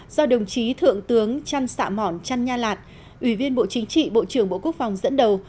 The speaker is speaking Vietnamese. do đồng chí thượng tướng trăn xạ mỏn trăn nha lạt ủy viên bộ chính trị bộ trưởng bộ quốc phòng dẫn đầu